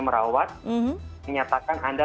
merawat menyatakan anda